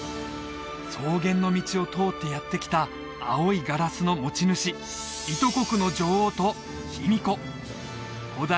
草原の道を通ってやって来た青いガラスの持ち主伊都国の女王と卑弥呼古代